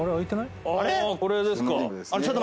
あぁこれですか。